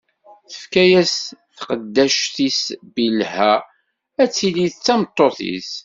Tefka-as taqeddact-is Bilha, ad tili d tameṭṭut-is.